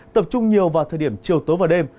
tập trung nhiều vào thời điểm chiều tối và đêm